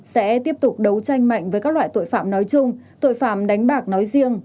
sẽ tiếp tục đấu tranh mạnh với các loại tội phạm nói chung tội phạm đánh bạc nói riêng